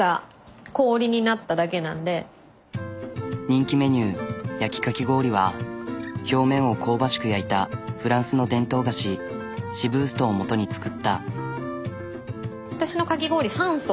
人気メニュー焼きかき氷は表面を香ばしく焼いたフランスの伝統菓子シブーストをもとに作った。